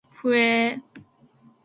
ふぇ